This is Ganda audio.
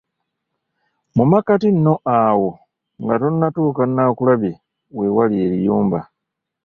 Mu makkati nno awo nga tonnatuuka Naakulabye we wali Eriyumba!